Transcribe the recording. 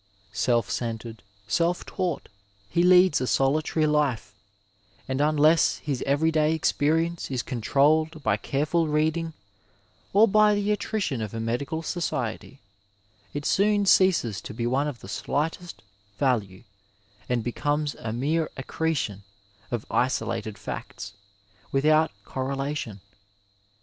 Self centred, self taught, he leads a solitary life, and unless his every day experience is con trolled by careful reading or by the attrition of a medical society it soon ceases to be of the slightest value and be comes a mere accretion of isolated &cts, without corre lation.